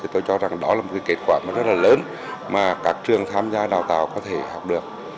tôi cho rằng đó là một kết quả rất là lớn mà các trường tham gia đào tạo có thể học được